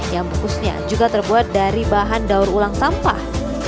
yang bungkusnya juga terbuat dari bahan daur ulang sampah